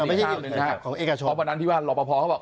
ไม่ใช่ของเอกชอบเพราะวันนั้นที่ว่าหลอกประพอเขาบอก